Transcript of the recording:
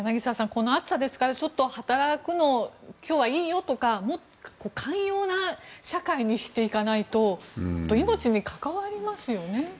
この暑さですから今日は働くのはいいよとかもっと寛容な社会にしていかないと命に関わりますよね。